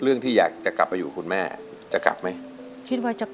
อเรนนี่คือเหตุการณ์เริ่มต้นหลอนช่วงแรกแล้วมีอะไรอีก